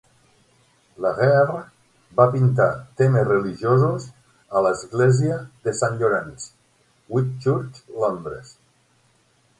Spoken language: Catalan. Laguerre va pintar temes religiosos a l'Església de Sant Llorenç, Whitchurch, Londres.